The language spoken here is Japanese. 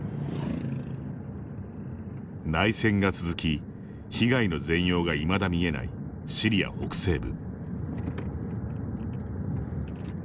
内戦が続き、被害の全容がいまだ見えないシリア北西部。